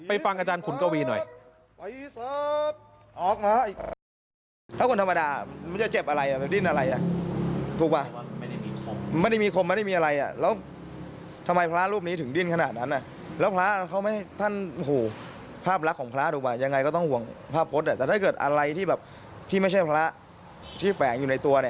ฟังอาจารย์ขุนกวีหน่อย